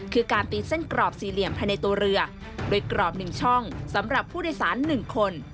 คือการตีเส้นกรอบสี่เหลี่ยมภายในตัวเรือโดยกรอบ๑ช่องสำหรับผู้โดยสาร๑คน